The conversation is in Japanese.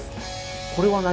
これは何？